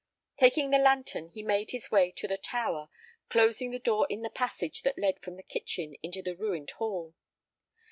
Taking the lantern, he made his way to the tower, closing the door in the passage that led from the kitchen into the ruined hall.